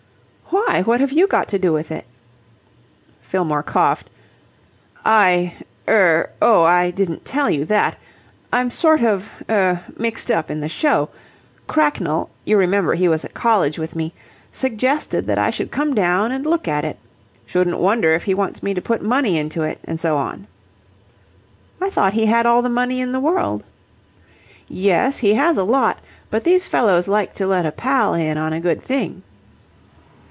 "Why, what have you got to do with it?" Fillmore coughed. "I er oh, I didn't tell you that. I'm sort of er mixed up in the show. Cracknell you remember he was at college with me suggested that I should come down and look at it. Shouldn't wonder if he wants me to put money into it and so on." "I thought he had all the money in the world." "Yes, he has a lot, but these fellows like to let a pal in on a good thing."